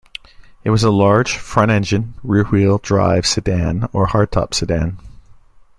It was a large front-engine rear-wheel drive sedan or hardtop sedan.